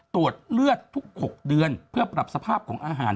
ตรวจเลือดทุก๖เดือนเพื่อปรับสภาพของอาหาร